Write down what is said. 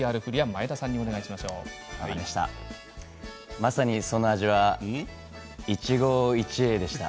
まさに、その味は一期一会でした。